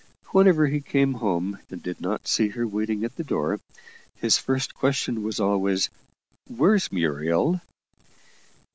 Whenever he came home and did not see her waiting at the door, his first question was always "Where's Muriel?"